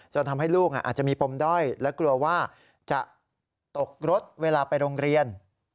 ทำให้ลูกอาจจะมีปมด้อยและกลัวว่าจะตกรถเวลาไปโรงเรียน